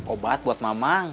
obat buat mamang